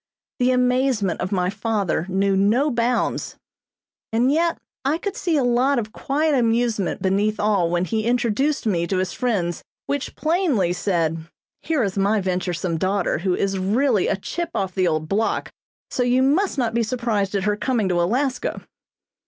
The amazement of my father knew no bounds, and yet I could see a lot of quiet amusement beneath all when he introduced me to his friends, which plainly said: "Here is my venturesome daughter, who is really a 'chip off the old block,' so you must not be surprised at her coming to Alaska."